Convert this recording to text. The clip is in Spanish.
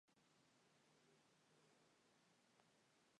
Casterman era originalmente una compañía de impresión y casa editorial.